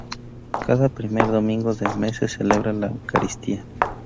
Cada primer domingo de mes se celebra la Eucaristía.